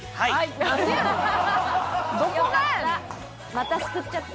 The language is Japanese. また救っちゃった。